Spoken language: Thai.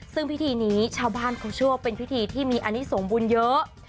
ซึ่งพิธีนี้ชาวบ้านเขาเชื่อว่าเป็นพิธีที่มีอนิสมบุญเยอะ